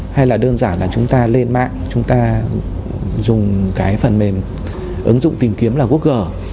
hay là đơn giản là chúng ta lên mạng chúng ta dùng cái phần mềm ứng dụng tìm kiếm là google